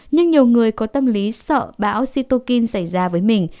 nhưng nhiều người có tâm lý sợ bão sitokin xảy ra với mình